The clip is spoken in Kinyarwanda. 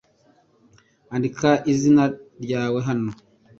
Andika izina ryawe hano .